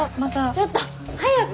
ちょっと早く！